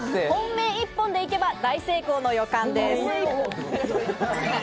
本命一本で行けば大成功の予感です。